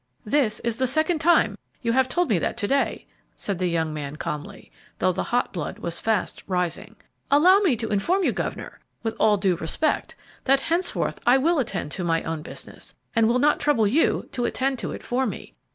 "This is the second time you have told me that today," said the young man, calmly, though the hot blood was fast rising; "allow me to inform you, governor, with all due respect, that henceforth I will attend to my own business, and will not trouble you to attend to it for me.